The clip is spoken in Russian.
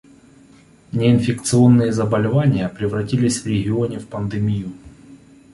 Неинфекционные заболевания превратились в регионе в пандемию.